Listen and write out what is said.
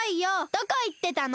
どこいってたの？